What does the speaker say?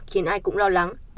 khiến ai cũng lo lắng